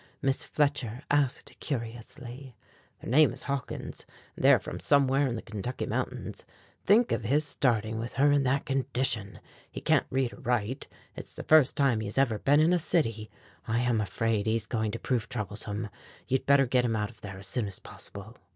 Miss Fletcher asked curiously. "Their name is Hawkins, and they are from somewhere in the Kentucky mountains. Think of his starting with her in that condition! He can't read or write; it's the first time he has ever been in a city. I am afraid he's going to prove troublesome. You'd better get him out of there as soon as possible."